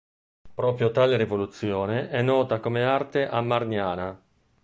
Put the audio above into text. Proprio tale rivoluzione è nota come "arte amarniana".